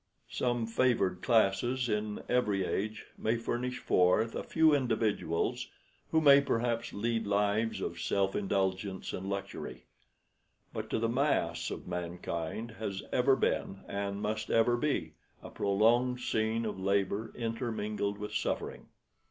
Some favored classes in every age may furnish forth a few individuals who may perhaps lead lives of self indulgence and luxury; but to the mass of mankind life has ever been, and must ever be, a prolonged scene of labor intermingled with suffering.